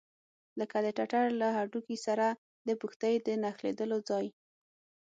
لکه د ټټر له هډوکي سره د پښتۍ د نښلېدلو ځای.